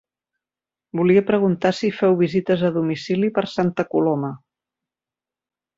Volia preguntar si feu visites a domicili per Santa Coloma?